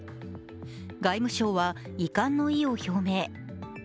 外務省は遺憾の意を表明。